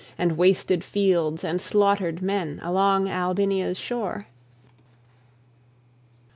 And wasted fields and slaughtered men Along Albinia's shore.